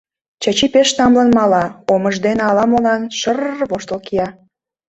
Чачи пеш тамлын мала, омыж дене ала-молан шыр-р воштыл кия...